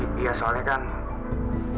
aku pengen banget nemenin kamu disini